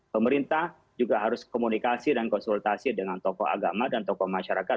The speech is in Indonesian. pemerintah juga harus komunikasi dan konsultasi dengan tokoh agama dan tokoh masyarakat